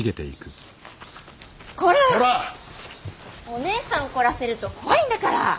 おねえさん怒らせると怖いんだから。